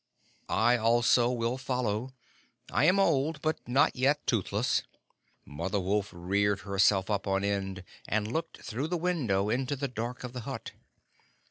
"I also will follow. I am old, but not yet toothless." Mother Wolf reared herself up on end, and looked through the window into the dark of the hut.